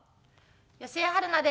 吉江晴菜です。